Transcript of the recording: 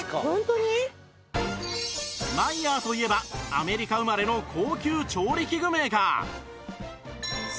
マイヤーといえばアメリカ生まれの高級調理器具メーカー